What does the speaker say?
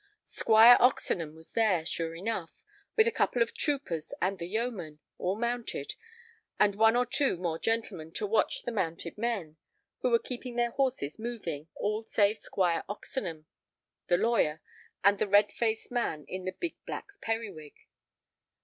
Squire Oxenham was there, sure enough, with a couple of troopers and the yeomen—all mounted, and one or two more gentlemen to watch the mounted men, who were keeping their horses moving, all save Squire Oxenham, the lawyer, and the red faced man in the big black periwig.